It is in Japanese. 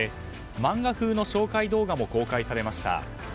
漫画風の紹介動画も公開されました。